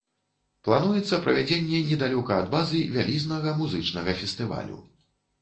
Плануецца правядзенне недалёка ад базы вялізнага музычнага фестывалю.